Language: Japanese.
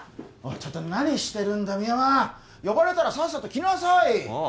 ちょっと何してるんだ深山呼ばれたらさっさと来なさいああ